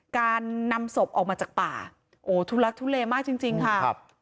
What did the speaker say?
การนำศพออกมาจากป่าโอ้ทุลักทุเลมากจริงค่ะ